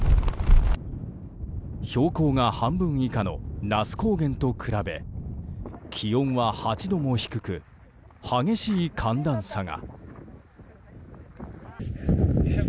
標高が半分以下の那須高原と比べ気温は８度も低く激しい寒暖差が。